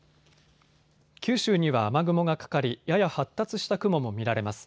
九州には雨雲がかかりやや発達した雲も見られます。